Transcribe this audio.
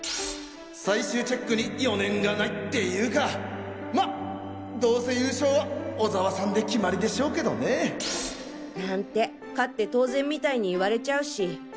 最終チェックに余念がないっていうかまどうせ優勝は小沢さんで決まりでしょうけどねなんて勝って当然みたいに言われちゃうし。